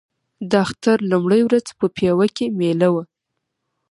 د اختر لومړۍ ورځ په پېوه کې مېله وه.